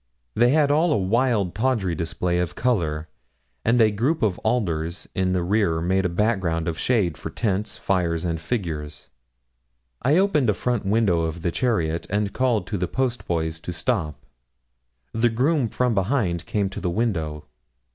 They had all a wild tawdry display of colour; and a group of alders in the rear made a background of shade for tents, fires, and figures. I opened a front window of the chariot, and called to the postboys to stop. The groom from behind came to the window.